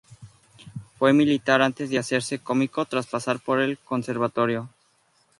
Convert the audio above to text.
Fue militar antes de hacerse cómico tras pasar por el Conservatorio.